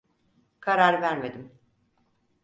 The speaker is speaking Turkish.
Karar vermedim.